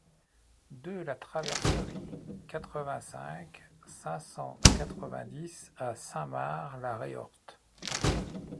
deux la Traverserie, quatre-vingt-cinq, cinq cent quatre-vingt-dix à Saint-Mars-la-Réorthe